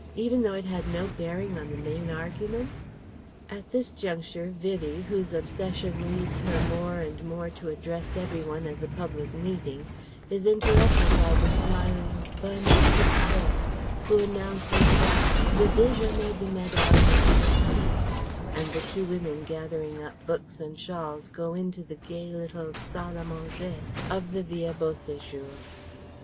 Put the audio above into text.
even though it had no bearing on the main argument?..." At this juncture Vivie, whose obsession leads her more and more to address every one as a public meeting is interrupted by the smiling bonne à tout faire who announces that le déjeuner de Madame est servi, and the two women gathering up books and shawls go in to the gay little saile à manger of the Villa Beau séjour.